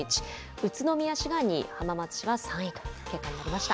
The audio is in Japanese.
宇都宮市が２位、浜松市は３位という結果になりました。